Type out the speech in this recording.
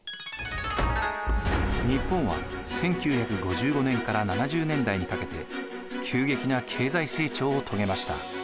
日本は１９５５年から７０年代にかけて急激な経済成長を遂げました。